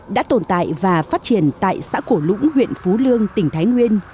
đã tồn tại và phát triển tại xã cổ lũng huyện phú lương tỉnh thái nguyên